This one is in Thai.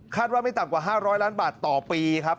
ว่าไม่ต่ำกว่า๕๐๐ล้านบาทต่อปีครับ